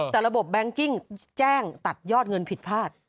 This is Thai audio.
แต่ระบบแบงกิ้งแจ้งตัดยอดเงินผิดพลาด